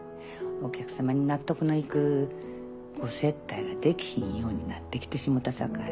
お客さまに納得のいくご接待ができひんようになってきてしもうたさかい。